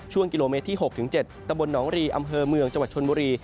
ช่วงกิโลเมตรที่๖๗ตะบลหนองรีอำเภอเมืองจังหวัดชนบุรี